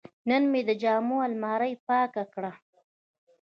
نن مې د جامو الماري پاکه کړه.